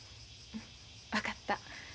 分かった。